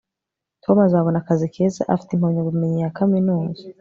tom azabona akazi keza afite impamyabumenyi ya kaminuza